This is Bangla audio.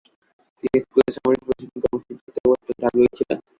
তিনি স্কুলের সামরিক প্রশিক্ষণ কর্মসূচিতেও অত্যন্ত আগ্রহী ছিলেন।